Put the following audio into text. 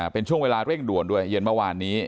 เป็นช่วงเวลาเร่งด่วนด้วยเย็นเมื่อวานนี้